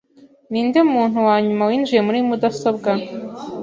Ninde muntu wa nyuma winjiye muri mudasobwa?